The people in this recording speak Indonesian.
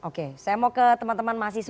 oke saya mau ke teman teman mahasiswa